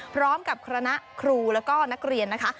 พร้อมกับคณะครูแล้วก็นักเรียนนะคะ